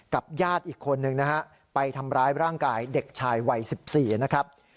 ญาติอีกคนนึงนะฮะไปทำร้ายร่างกายเด็กชายวัย๑๔นะครับ